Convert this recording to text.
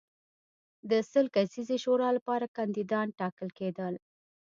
د سل کسیزې شورا لپاره کاندیدان ټاکل کېدل.